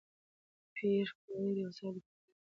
پېیر کوري د وسایلو د پاکوالي مسؤلیت درلود.